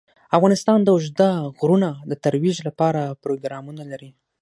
افغانستان د اوږده غرونه د ترویج لپاره پروګرامونه لري.